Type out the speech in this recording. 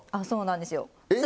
そうなんですよ。